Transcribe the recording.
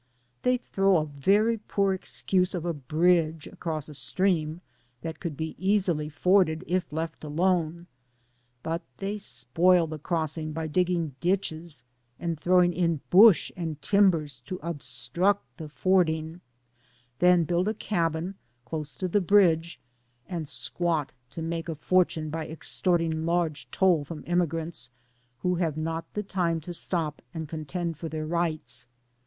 They throw a very poor excuse of a bridge across a stream that could be easily forded if let alone, but they spoil the crossing by digging ditches and throwing in bush and timbers to obstruct the fording, then build a cabin, close to the bridge, and squat to make a for tune by extorting large toll from emigrants, who have not the time to stop and contend for, their rights.